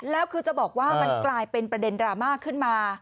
แล้วคือจะบอกว่ามันกลายเป็นประเด็นดราม่าขึ้นมา